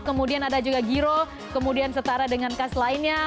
kemudian ada juga giro kemudian setara dengan kas lainnya